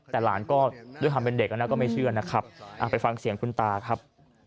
แต่หลานก็ด้วยความเป็นเด็กนะก็ไม่เชื่อนะครับไปฟังเสียงคุณตาครับ